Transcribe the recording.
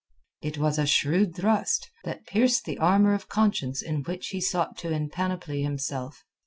It was a shrewd thrust, that pierced the armour of conscience in which he sought to empanoply himself.